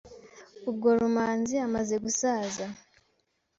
ubwo Rumanzi amaze gusaza